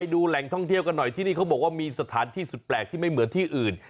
ดูแหล่งท่องเที่ยวกันหน่อยที่นี่เขาบอกว่ามีสถานที่สุดแปลกที่ไม่เหมือนที่อื่น